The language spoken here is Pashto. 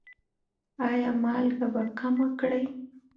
ایا مالګه به کمه کړئ؟